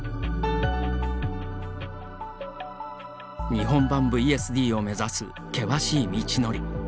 日本版ＶＳＤを目指す険しい道のり。